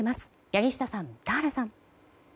柳下さん、田原さん。